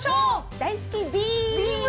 大好きビーム！